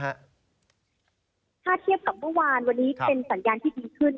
ถ้าเทียบกับเมื่อวานวันนี้เป็นสัญญาณที่ดีขึ้น